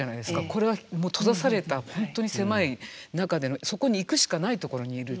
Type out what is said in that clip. これは閉ざされた本当に狭い中でのそこに行くしかないところにいる。